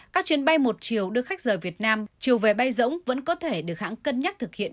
các chuyến bay một chiều đưa khách rời việt nam chiều về bay rỗng vẫn có thể được hãng cân nhắc thực hiện